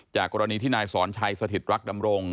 กรณีที่นายสอนชัยสถิตรักดำรง